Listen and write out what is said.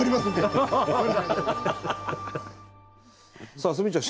さあ鷲見ちゃん